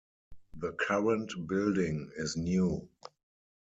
The current building is new.